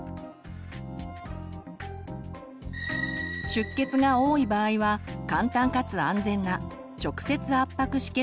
出血が多い場合は簡単かつ安全な直接圧迫止血